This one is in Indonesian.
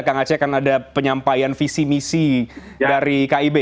kak nga ceria akan ada penyampaian visi misi dari kib